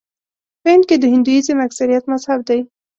په هند کې د هندويزم اکثریت مذهب دی.